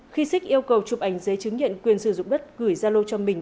khi xích yêu cầu chụp ảnh giấy chứng nhận quyền sử dụng đất gửi ra lô cho mình